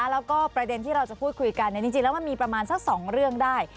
แล้วก็ประเด็นที่เราจะพูดคุยกันจริงแล้วมันมีประมาณสัก๒เรื่องได้